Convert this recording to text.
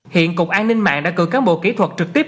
hiện cục an ninh mạng đã cử cán bộ kỹ thuật trực tiếp